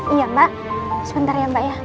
iya mbak sebentar ya mbak ya